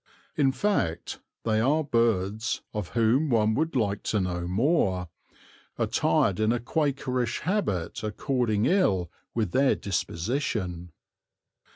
In fact, they are birds, of whom one would like to know more, attired in a Quakerish habit according ill with their disposition.